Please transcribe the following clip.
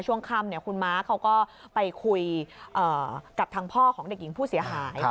ช่วงค่ำคุณม้าเขาก็ไปคุยกับทางพ่อของเด็กหญิงผู้เสียหาย